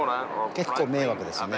結構迷惑ですよね